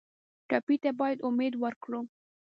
ټپي ته باید امید ورکړو.